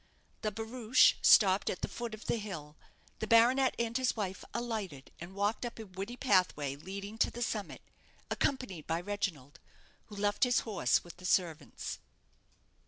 The barouche stopped at the foot of the hill; the baronet and his wife alighted, and walked up a woody pathway leading to the summit, accompanied by Reginald, who left his horse with the servants.